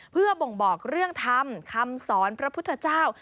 เพื่อบ่งบอกเรื่องธรรมคำสอนพระพุทธเจ้า